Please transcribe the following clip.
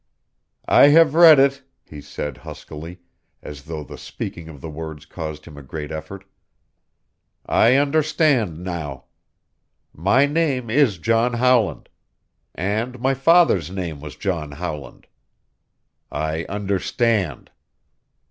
"I have read it," he said huskily, as though the speaking of the words caused him a great effort. "I understand now. My name is John Howland. And my father's name was John Howland. I understand."